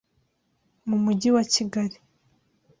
Mu mujyi wa Kigali